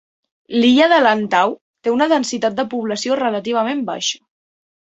L'illa de Lantau té una densitat de població relativament baixa.